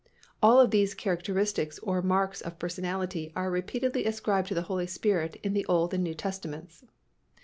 All of these characteristics or marks of personality are repeatedly ascribed to the Holy Spirit in the Old and New Testaments.